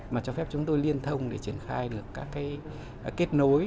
mà cho phép chúng tôi liên thông để triển khai được các cái kết nối